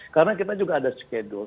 karena kita juga ada schedule